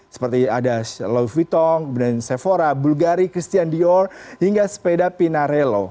seperti ada louis vuitton sephora bulgari christian dior hingga sepeda pinarello